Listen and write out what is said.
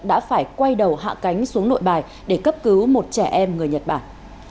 đã phải quay đầu hạ cánh xuống nội bài để cấp cứu một trẻ em người nhật bản